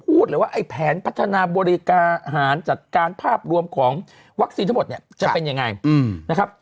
พูดเลยว่าไอ้แผนพัฒนาบริการอาหารจัดการภาพรวมของวัคซีนทั้งหมดเนี่ยจะเป็นยังไงนะครับ